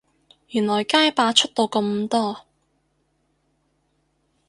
原來街霸出到咁多